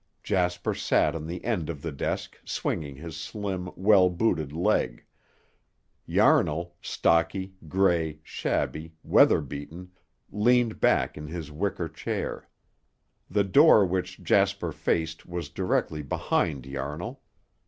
Jasper sat on the end of the desk, swinging his slim, well booted leg; Yarnall, stocky, gray, shabby, weather beaten, leaned back in his wicker chair. The door which Jasper faced was directly behind Yarnall.